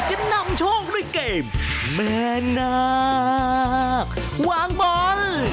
จะนำโชคด้วยเกมแม่นาควางบอล